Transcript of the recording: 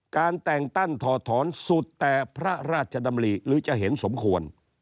การแต่งตั้งถอดถอนสุดแต่พระราชดำริหรือจะเห็นสมควร